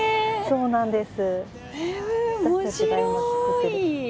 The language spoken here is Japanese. そうなんです。